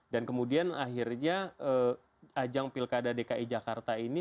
dan kemudian akhirnya ajang pilkada dki jakarta ini